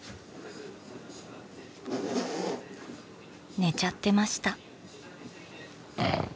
寝ちゃってました